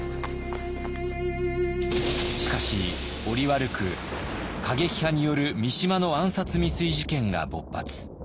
しかし折悪く過激派による三島の暗殺未遂事件が勃発。